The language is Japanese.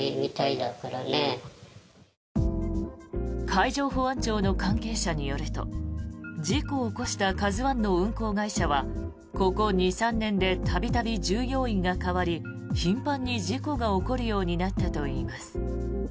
海上保安庁の関係者によると事故を起こした「ＫＡＺＵ１」の運航会社はここ２３年で度々、従業員が変わり頻繁に事故が起こるようになったといいます。